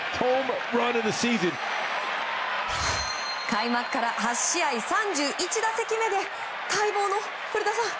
開幕から８試合３１打席目で待望の古田さん